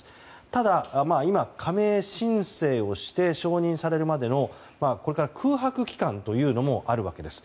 ただ、加盟申請をして承認されるまでの空白期間というのもこれからあるわけです。